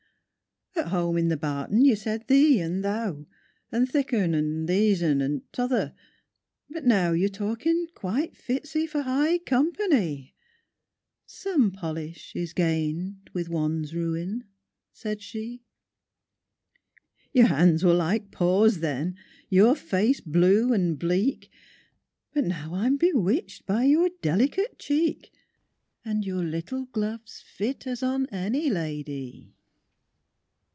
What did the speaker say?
—"At home in the barton you said 'thee' and 'thou,' And 'thik oon,' and 'theäs oon,' and 't'other'; but now Your talking quite fits 'ee for high compa ny!"— "Some polish is gained with one's ruin," said she. —"Your hands were like paws then, your face blue and bleak, But now I'm bewitched by your delicate cheek, And your little gloves fit as on any la dy!"